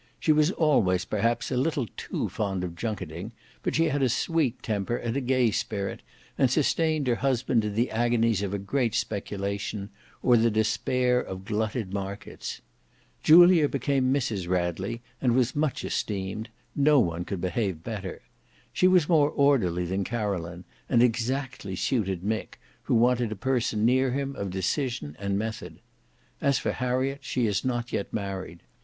She was always perhaps a little too fond of junketting but she had a sweet temper and a gay spirit, and sustained her husband in the agonies of a great speculation, or the despair of glutted markets. Julia became Mrs Radley, and was much esteemed: no one could behave better. She was more orderly than Caroline, and exactly suited Mick, who wanted a person near him of decision and method. As for Harriet, she is not yet married.